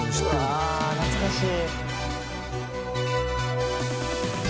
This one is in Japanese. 「うわあ懐かしい！」